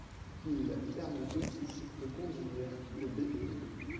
Il permet aussi de conduire des véhicules.